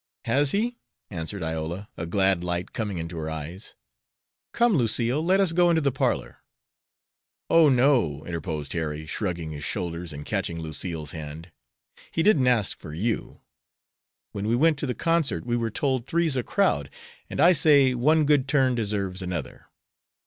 "Has he?" answered Iola, a glad light coming into her eyes. "Come, Lucille, let us go into the parlor." "Oh, no," interposed Harry, shrugging his shoulders and catching Lucille's hand. "He didn't ask for you. When we went to the concert we were told three's a crowd. And I say one good turn deserves another."